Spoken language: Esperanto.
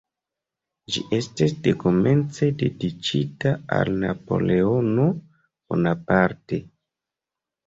Ĝi estis dekomence dediĉita al Napoleono Bonaparte.